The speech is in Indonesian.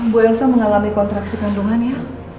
bu elsa mengalami kontraksi kandungan ya